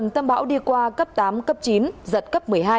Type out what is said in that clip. tâm bão đi qua cấp tám cấp chín giật cấp một mươi hai